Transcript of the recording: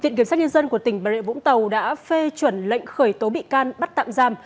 viện kiểm sát nhân dân của tỉnh bà rịa vũng tàu đã phê chuẩn lệnh khởi tố bị can bắt tạm giam